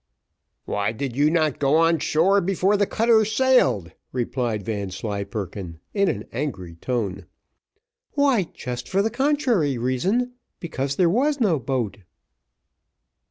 "Why did you not go on shore before the cutter sailed?" replied Vanslyperken, in an angry tone. "Why, just for the contrary reason, because there was no boat."